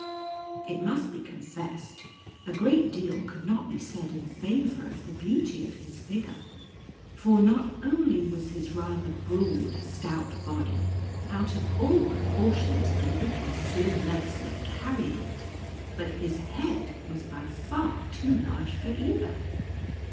It must be confessed, a great deal could not be said in favor of the beauty of his figure, for not only was his rather broad, stout body, out of all proportion to the little, slim legs that carried it, but his head was by far too large for either.